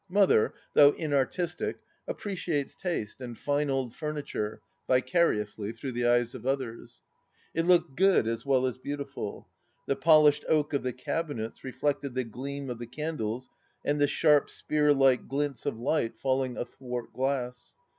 Mother, though inartistic, appreciates taste and fine old furniture, vicariously, through the eyes of others. It looked " good " as well as beautiful. The polished oak of the cabinets reflected the gleam of the candles and the sharp spear like glints of light falling athwart glass.